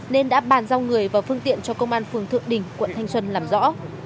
nên đã bàn giao người và phương tiện cho công an phường thượng đình quận thanh xuân làm rõ